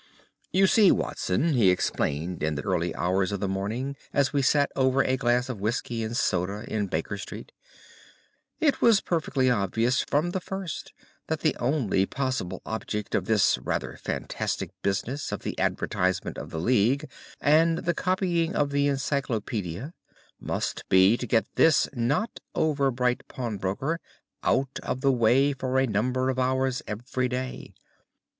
"You see, Watson," he explained in the early hours of the morning as we sat over a glass of whisky and soda in Baker Street, "it was perfectly obvious from the first that the only possible object of this rather fantastic business of the advertisement of the League, and the copying of the Encyclopædia, must be to get this not over bright pawnbroker out of the way for a number of hours every day.